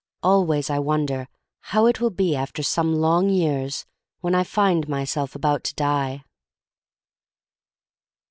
Always I wonder how it will be after some long years when I find myself about to die.